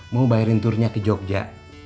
mau bayarin turnya ke jogja